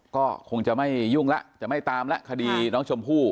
ก็คงจะไม่ยุ่งแล้วจะไม่ตามแล้วคดีน้องชมพู่